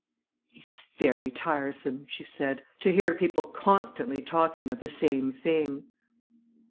"It is very tiresome," she said, "to hear people constantly talking of the same thing."